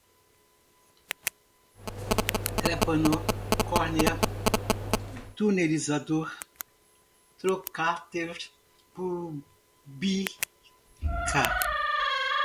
trepano, córnea, tunelizador, trocater, púbica